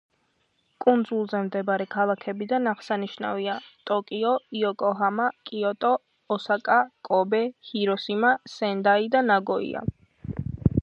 კუნძულზე მდებარე ქალაქებიდან აღსანიშნავია: ტოკიო, იოკოჰამა, კიოტო, ოსაკა, კობე, ჰიროსიმა, სენდაი და ნაგოია.